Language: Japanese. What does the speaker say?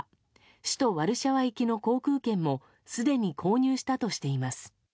首都ワルシャワ行きの航空券もすでに購入したとしています。